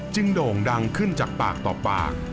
โด่งดังขึ้นจากปากต่อปาก